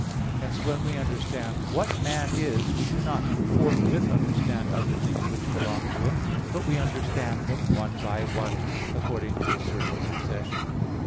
Hence when we understand what man is, we do not forthwith understand other things which belong to him, but we understand them one by one, according to a certain succession.